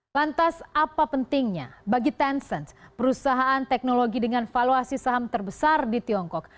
lantas apa pentingnya bagi tencent perusahaan teknologi dengan valuasi saham terbesar di tiongkok